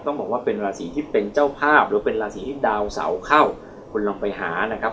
ต้องบอกว่าเป็นราศีที่เป็นเจ้าภาพหรือเป็นราศีที่ดาวเสาเข้าคุณลองไปหานะครับ